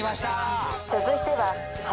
続いては。わ！